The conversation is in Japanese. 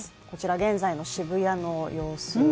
こちら現在の渋谷の様子